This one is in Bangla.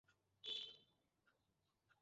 শালা, তারপরেও হারামির মত কাজ করলি?